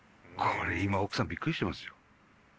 これ今奥さんびっくりしてますよ。